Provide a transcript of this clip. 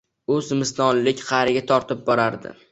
U zimistonlik qa’riga tortib borardi.